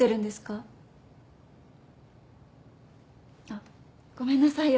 あっごめんなさい